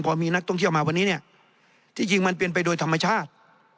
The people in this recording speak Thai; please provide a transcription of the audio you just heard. พอมีนักท่องเที่ยวมาวันนี้เนี่ยที่จริงมันเป็นไปโดยธรรมชาติ